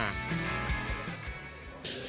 ที่สำคัญในการพัฒนา